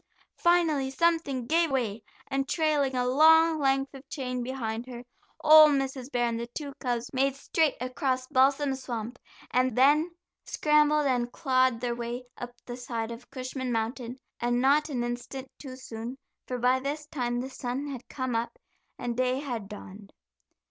Finally something gave way, and trailing a long length of chain behind her, old Mrs. Bear and the two cubs made straight across Balsam Swamp, and then scrambled and clawed their way up the side of Cushman Mountain, and not an instant too soon, for by this time the sun had come up, and day had dawned.